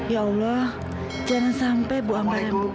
ya allah jangan sampai bu ambar yang buka